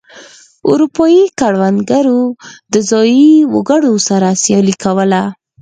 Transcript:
اروپايي کروندګرو د ځايي وګړو سره سیالي کوله.